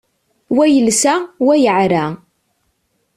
Wa yelsa, wa yeεra.